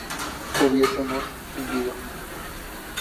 hubiésemos vivido